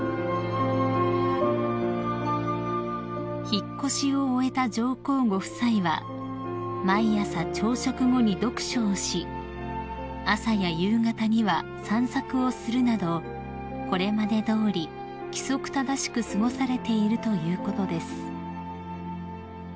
［引っ越しを終えた上皇ご夫妻は毎朝朝食後に読書をし朝や夕方には散策をするなどこれまでどおり規則正しく過ごされているということです］